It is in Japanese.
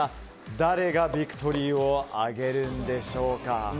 誰がビクトリーを挙げるんでしょうか。